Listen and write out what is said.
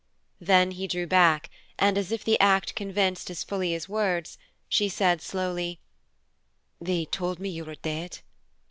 Then he drew back, and as if the act convinced as fully as words, she said slowly, "They told me you were dead."